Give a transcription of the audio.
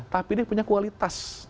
tapi dia punya kualitas